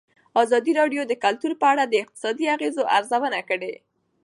ازادي راډیو د کلتور په اړه د اقتصادي اغېزو ارزونه کړې.